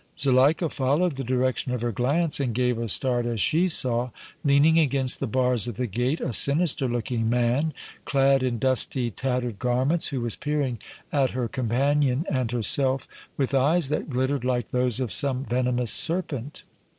Zuleika followed the direction of her glance and gave a start as she saw, leaning against the bars of the gate, a sinister looking man, clad in dusty, tattered garments, who was peering at her companion and herself with eyes that glittered like those of some venomous serpent.